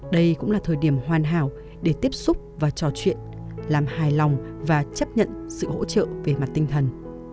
đây cũng là thời điểm hoàn hảo để tiếp xúc và trò chuyện làm hài lòng và chấp nhận sự hỗ trợ về mặt tinh thần